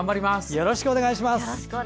よろしくお願いします。